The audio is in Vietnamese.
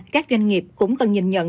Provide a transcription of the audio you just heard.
các doanh nghiệp cũng cần nhìn nhận